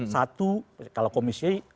satu kalau komisi